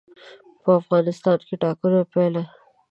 په افغانستان کې د ټاکنو پایله.